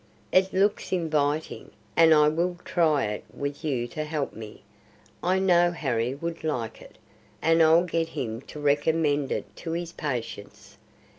"It looks inviting, and I will try it with you to help me. I know Harry would like it, and I'll get him to recommend it to his patients.